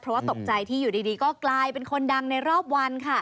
เพราะว่าตกใจที่อยู่ดีก็กลายเป็นคนดังในรอบวันค่ะ